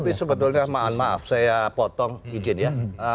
tapi sebetulnya maaf maaf saya potong izin ya